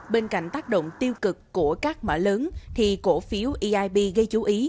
bên cạnh tác động tiêu cực của các mở lớn thì cổ phiếu eib gây chú ý